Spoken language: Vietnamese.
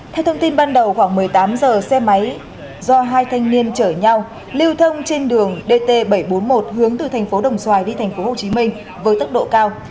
theo thông tin ban đầu khoảng một mươi tám giờ xe máy do hai thanh niên chở nhau lưu thông trên đường dt bảy trăm bốn mươi một hướng từ thành phố đồng xoài đi thành phố hồ chí minh với tốc độ cao